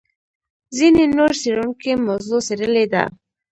ځینې نور څېړونکي موضوع څېړلې ده.